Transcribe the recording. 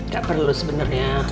gak perlu sebenernya